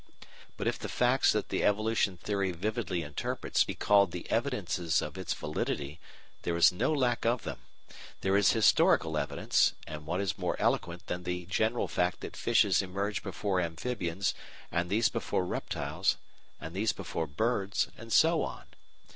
But if the facts that the evolution theory vividly interprets be called the evidences of its validity, there is no lack of them. There is historical evidence; and what is more eloquent than the general fact that fishes emerge before amphibians, and these before reptiles, and these before birds, and so on?